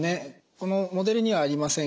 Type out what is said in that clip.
このモデルにはありません